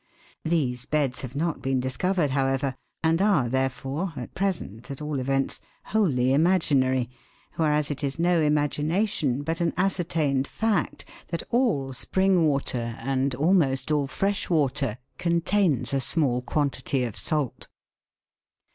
These beds have not been discovered, however, and are therefore, at present at all events, wholly imaginary, whereas it is no imagination, but an ascertained fact, that all spring water, 160 THE WORLD'S LUMBER ROOM. and almost all fresh water, contains a small quantity of salt.